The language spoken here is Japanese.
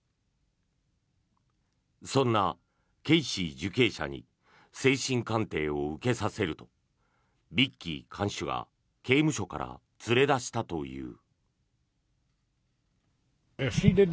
そんなケイシー受刑者に精神鑑定を受けさせるとビッキー看守が刑務所から連れ出したという。